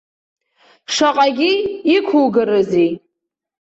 Шаҟагьы ықәугарызеи.